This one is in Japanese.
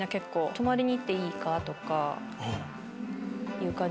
泊まりにいっていいか？とかいう感じで。